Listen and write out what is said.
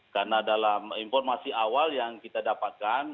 karena dalam informasi awal yang kita dapatkan